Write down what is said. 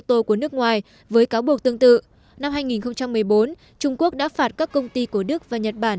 tô của nước ngoài với cáo buộc tương tự năm hai nghìn một mươi bốn trung quốc đã phạt các công ty của đức và nhật bản